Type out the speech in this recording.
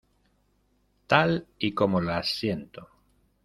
tal y como las siento.